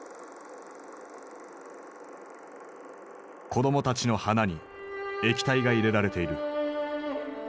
子供たちの鼻に液体が入れられている。